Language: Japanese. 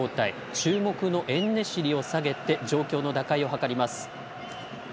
注目のエンネシリを下げて状況の打開を図ります。